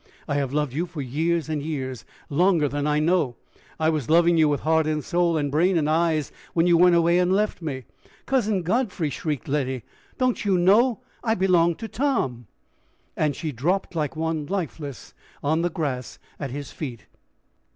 I have loved you for years and years longer than I know. I was loving you with heart and soul and brain and eyes when you went away and left me." "Cousin Godfrey!" shrieked Letty, "don't you know I belong to Tom?" And she dropped like one lifeless on the grass at his feet.